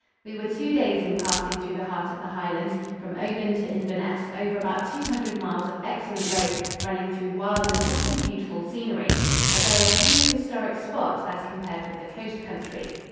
We were two days in passing through the heart of the Highlands from Oban to Inverness over about two hundred miles of excellent road running through wild and often beautiful scenery, but there were few historic spots as compared with the coast country.